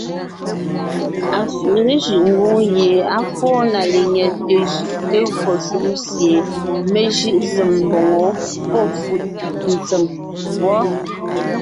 Afàʼa léjʉ́ʼ ngwóŋ gie á fóo na lenyɛte jʉʼ te gÿo shúm sie mé jʉʼ zém mboŋó pɔ́fʉ̀ʼ ntsèm wɔ́.